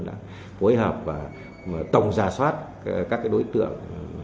đã phối hợp và tổng ra soát các đối tượng